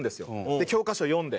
で教科書読んで。